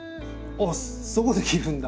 あっそこで切るんだ！